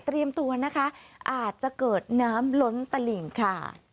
เตรียมกันอาจจะเกิดน้ำล้นตะหลิงค่ะ